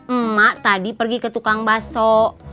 emak tadi pergi ke tukang baso